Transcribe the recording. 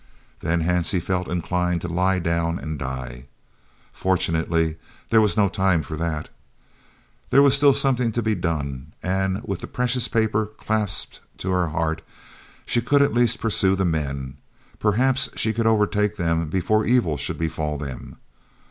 _" Then Hansie felt inclined to lie down and die. Fortunately there was no time for that. There was still something to be done, and, with the precious paper clasped to her heart, she could at least pursue the men. Perhaps she could overtake them before evil should befall them.